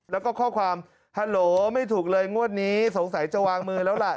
แล้วก็ข้อความฮัลโหลไม่ถูกเลยงวดนี้สงสัยจะวางมือแล้วล่ะ